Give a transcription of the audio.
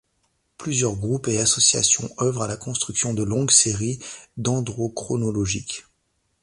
Plusieurs groupes et associations œuvrent à la construction de longues séries dendrochronologiques.